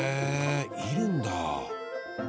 煎るんだ。